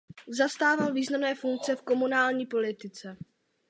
Zastával významné funkce v komunální politice.